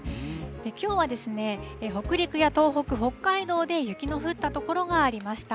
きょうは北陸や東北、北海道で雪の降った所がありました。